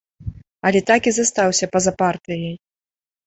Але так і застаўся па-за партыяй.